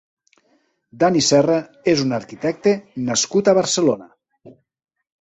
Dani Serra és un arquitecte nascut a Barcelona.